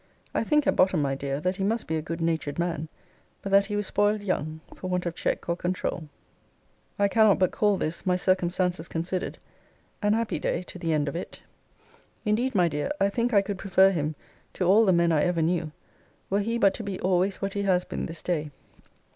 I think at bottom, my dear, that he must be a good natured man; but that he was spoiled young, for want of check or controul. I cannot but call this, my circumstances considered, an happy day to the end of it. Indeed, my dear, I think I could prefer him to all the men I ever knew, were he but to be always what he has been this day.